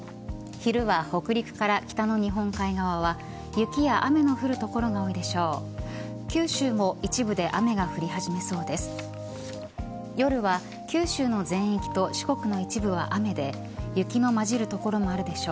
昼は北陸から北の日本海側は雪や雨の降る所が多いでしょう。